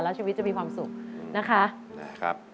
แล้วชีวิตจะมีความสุขนะคะ